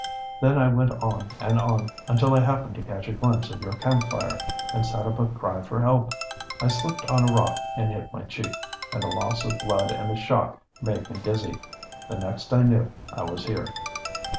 Then I went on and on until I happened to catch a glimpse of your camp fire, and set up a cry for help. I slipped on a rock and hit my cheek, and the loss of blood and the shock made me dizzy. The next I knew I was here."